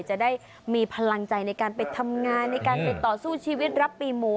จะได้มีพลังใจในการไปทำงานในการไปต่อสู้ชีวิตรับปีหมู